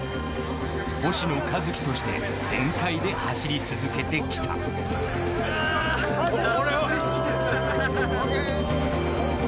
星野一樹として全開で走り続けてきた俺を。